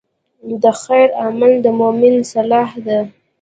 د خیر عمل د مؤمن سلاح ده.